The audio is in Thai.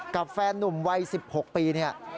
กับแฟนหนุ่มวัย๑๖ปี